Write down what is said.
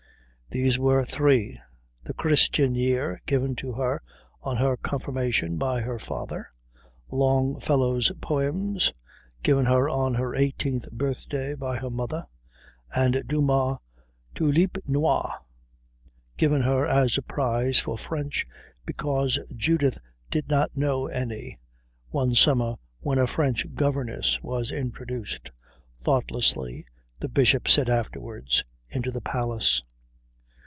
These were three, the Christian Year, given to her on her confirmation by her father, Longfellow's Poems, given her on her eighteenth birthday by her mother, and Dumas' Tulipe Noire, given her as a prize for French because Judith did not know any, one summer when a French governess was introduced (thoughtlessly, the Bishop said afterwards) into the Palace.